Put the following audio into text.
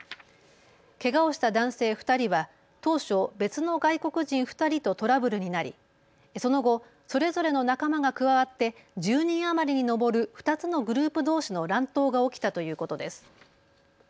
けがをした男性２人は当初、別の外国人２人とトラブルになりその後、それぞれの仲間が加わって１０人余りに上る２つのグループどうしの乱闘が起きたということです。